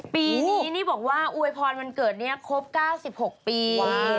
ปีนี้อ้วยพรวันเกิดครบ๙๖ปี